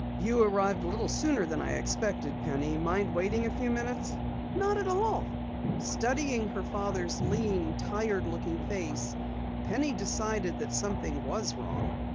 "You arrived a little sooner than I expected, Penny. Mind waiting a few minutes?" "Not at all." Studying her father's lean, tired looking face, Penny decided that something was wrong.